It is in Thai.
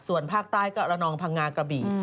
ส่วนภาคใต้ก็ระนองพังงากระบี่